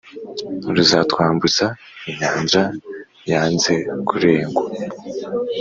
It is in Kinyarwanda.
ruzatwambutsa inyanja yanze kurengwa